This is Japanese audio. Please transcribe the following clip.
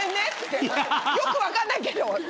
よく分かんないけど。